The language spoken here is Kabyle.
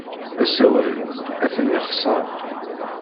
Asawal atan yexṣer.